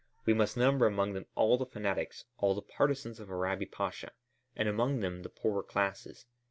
We must number among them all the fanatics, all the partisans of Arabi Pasha, and many among the poorer classes.